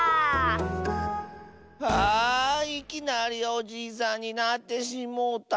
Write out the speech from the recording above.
ああいきなりおじいさんになってしもうた。